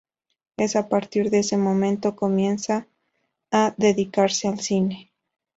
Es a partir de ese momento comienza a dedicarse al cine.